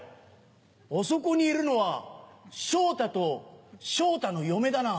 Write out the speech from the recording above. あそこにいるのは昇太と昇太の嫁だな。